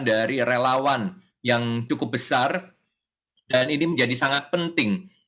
dari relawan yang cukup besar dan ini menjadi sangat penting